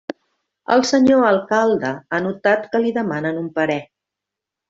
El senyor alcalde ha notat que li demanen un parer.